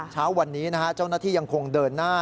เช้าวันนี้นะฮะเจ้าหน้าที่ยังคงเดินหน้า